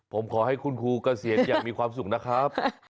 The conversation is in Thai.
ผมขอให้คุณครูเกษียณอย่างมีความสุขนะครับ